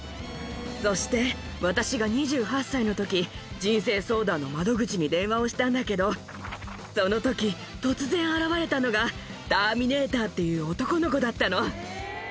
そして、私が２８歳のとき、人生相談の窓口に電話をしたんだけど、そのとき、突然現れたのが、ターミネーターっていう男の子だったの。